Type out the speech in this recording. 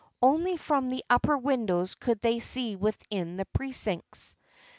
Only from the upper windows could they see within the precincts.